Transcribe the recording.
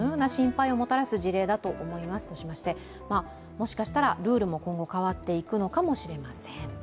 もしかしたら、ルールも今後変わっていくのかもしれません。